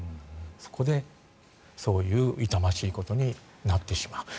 そこで、そういう痛ましいことになってしまう。